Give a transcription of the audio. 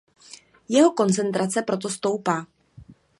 Jeho koncentrace proto stoupá.